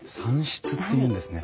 蚕室っていうんですね。